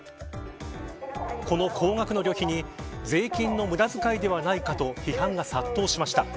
この高額の旅費に税金の無駄遣いではないかと批判が殺到しました。